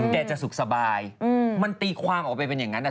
แกจะสุขสบายมันตีความออกไปเป็นอย่างนั้น